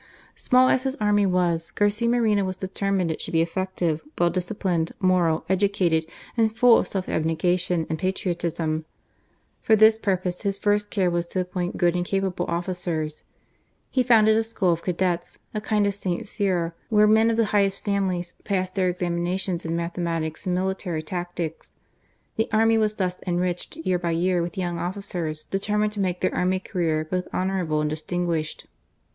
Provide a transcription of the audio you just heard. Small as his army was. 124 GARCIA MORENO. Garcia Moreno was determined it should be effective, well disciplined, moral, educated, and full of self abnegation and patriotism. For this purpose his first care was to appoint good and capable officers. He founded a school of cadets, a kind of St. Cyr; ■ where men of the highest families passed theiri^ examinations in mathematics and military tactics,, ' Tbi army was thus enriched year by year with youi^ officers determined to make their army career both honourable and distiaguiahed.